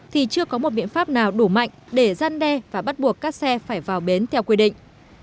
thì chưa có một biện pháp nào đủ mạnh để gian đe và bắt buộc các xe phải vào bến theo quy định